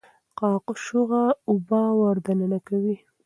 قاچوغه اوبه ور دننه کوي.